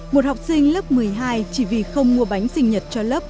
một học sinh lớp một mươi hai chỉ vì không mua bánh sinh nhật cho lớp